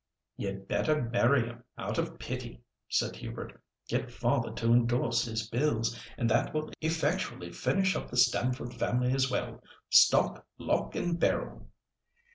"You'd better marry him out of pity," said Hubert; "get father to endorse his bills, and that will effectually finish up the Stamford family as well—stock, lock, and barrel."